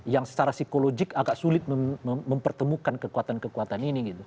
yang secara psikologik agak sulit mempertemukan kekuatan kekuatan ini gitu